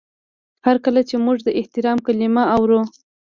هر کله چې موږ د احترام کلمه اورو.